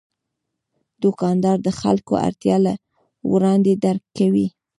دوکاندار د خلکو اړتیا له وړاندې درک کوي.